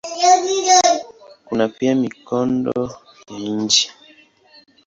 Kuna pia mikondo ya chini.